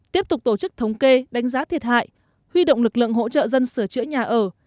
tiếp tục tổ chức thống kê đánh giá thiệt hại huy động lực lượng hỗ trợ dân sửa chữa nhà ở